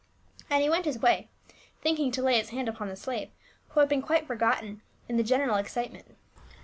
And he went his wa\', think ing to lay his hand upon the sla\'e, who had been quite forgotten in the general excitement.